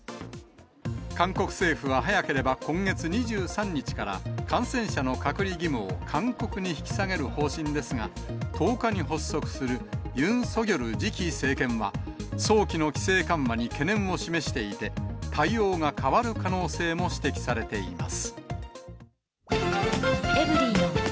韓国政府は早ければ今月２３日から、感染者の隔離義務を勧告に引き下げる方針ですが、１０日に発足するユン・ソギョル次期政権は、早期の規制緩和に懸念を示していて、対応が変わる可能性も指摘されています。